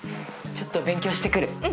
ちょっと勉強してくる。